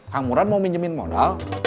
kang murad mau minjemin modal